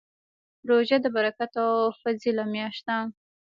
روژه د برکت او فضیله میاشت ده